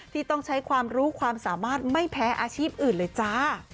ที่ต้องใช้ความรู้ความสามารถไม่แพ้อาชีพอื่นเลยจ้า